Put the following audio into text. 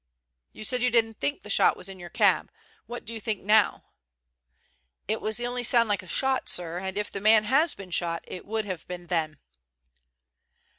"You said you didn't think the shot was in your cab; why do you think so now?" "It was the only sound like a shot, sir, and if the man has been shot, it would have been then."